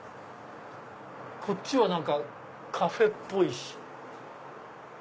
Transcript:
こっちはカフェっぽいし。